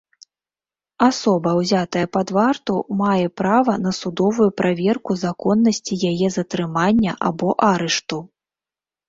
Асоба, узятая пад варту, мае права на судовую праверку законнасці яе затрымання або арышту.